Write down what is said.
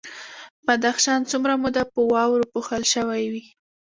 بدخشان څومره موده په واورو پوښل شوی وي؟